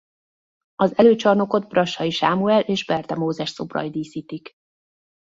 Az előcsarnokot Brassai Sámuel és Berde Mózes szobrai díszítik.